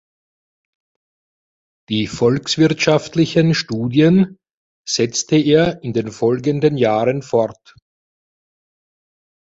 Die volkswirtschaftlichen Studien setzte er in den folgenden Jahren fort.